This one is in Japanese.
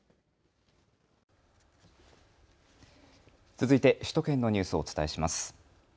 続いて首都圏のニュースをお伝えします。